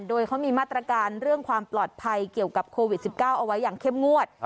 โดยเขามีมาตรการเรื่องความปลอดภัยเกี่ยวกับโควิด๑๙เอาไว้อย่างเข้มงวด